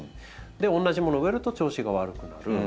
で同じものを植えると調子が悪くなる。